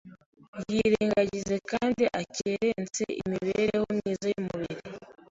yirengagize kandi akerense imibereho myiza y’umubiri,